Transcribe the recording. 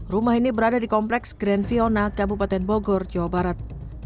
rumah ini berada di kompleks grand fiona kabupaten bogor jawa barat